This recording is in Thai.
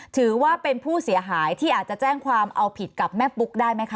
ถือว่าเป็นผู้เสียหายที่อาจจะแจ้งความเอาผิดกับแม่ปุ๊กได้ไหมคะ